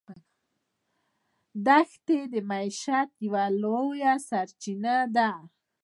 دښتې د معیشت یوه لویه سرچینه ده.